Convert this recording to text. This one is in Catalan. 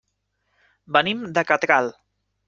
Venim de Catral.